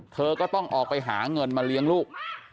เธอก็ต้องออกไปหาเงินมาเลี้ยงลูก